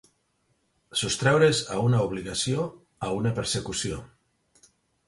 Sostreure's a una obligació, a una persecució.